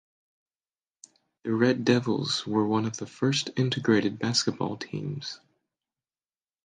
The Red Devils were one of the first integrated basketball teams.